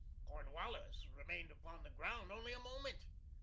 Cornwallis remained upon the ground only a moment.